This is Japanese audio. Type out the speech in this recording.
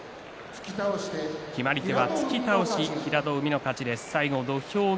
決まり手は突き倒し、平戸海の勝ち。